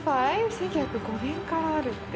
１９０５年からあるって。